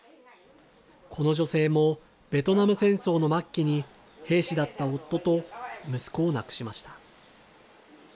この女性もベトナム戦争の末期に、兵士だった夫と息子を亡くしました。